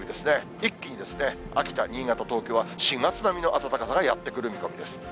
一気に秋田、新潟、東京は、４月並みの暖かさがやって来る見込みです。